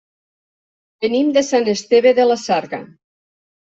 Venim de Sant Esteve de la Sarga.